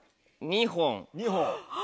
２本。